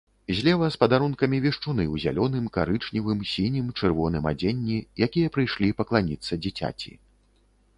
Злева з падарункамі вешчуны ў зялёным, карычневым, сінім, чырвоным адзенні, якія прыйшлі пакланіцца дзіцяці.